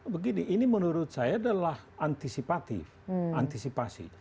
begini ini menurut saya adalah antisipatif antisipasi